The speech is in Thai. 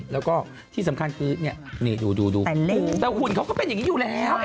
แล้วก็ที่สำคัญคือเนี่ยดูแต่หุ่นเขาก็เป็นอย่างนี้อยู่แล้ว